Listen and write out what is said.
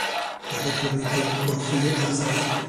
هلک له نیکۍ خوښي اخلي.